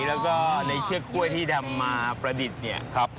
แล้วก็ในเชื้อข่วอที่ทำมาประดิษฐ์นี่ครับ